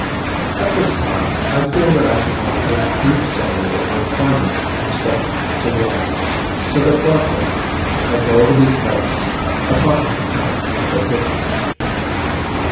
At this time, I feel that I should make a brief summary of my findings in respect to the ants, so that Barclay may go over these notes upon his return from his vacation.